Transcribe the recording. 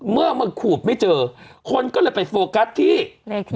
เมื่อมันขูบไม่เจอคนก็เลยไปโฟกัสที่เล็กที่บ้าน